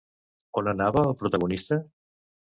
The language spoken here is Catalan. On anava el protagonista?